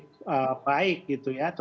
jadi ini adalah hal yang sangat baik